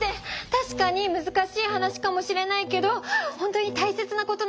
たしかにむずかしい話かもしれないけど本当に大切なことなの。